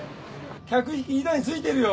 客引き板についてるよ。